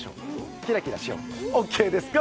キラキラしようオーケーですか？